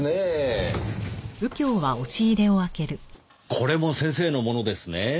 これも先生のものですね？